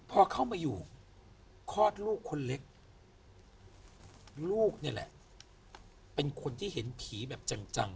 พอเข้ามาอยู่คลอดลูกคนเล็กลูกนี่แหละเป็นคนที่เห็นผีแบบจัง